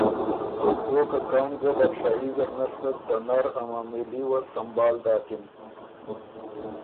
او که کان ګۀ بادشايي زر نستک، ته نر ا معامېلي وه سهمبال داکِن